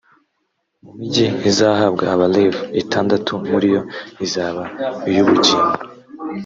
mu migi izahabwa abalevi, itandatu muri yo, izaba iy’ubugingo